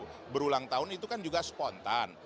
kalau berulang tahun itu kan juga spontan